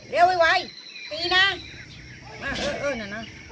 เดี๋ยวไม่ไหวตีนะ